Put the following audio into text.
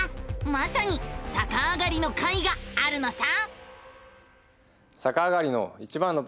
まさにさかあがりの回があるのさ！